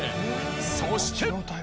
そして。